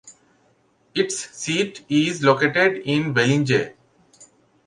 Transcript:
Its seat is located in Vellinge.